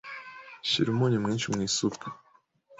Shira umunyu mwinshi mu isupu.